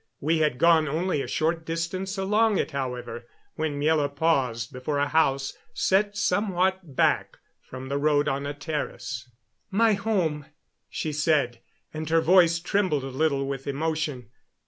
We had gone only a short distance along it, however, when Miela paused before a house set somewhat back from the road on a terrace. "My home," she said, and her voice trembled a little with emotion.